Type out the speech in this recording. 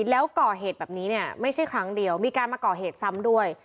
แล้วก่อเหตุแบบนี้เนี่ยไม่ใช่ครั้งเดียวมีการมาก่อเหตุซ้ำด้วย